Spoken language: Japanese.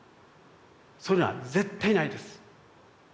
そういうのは絶対にないです。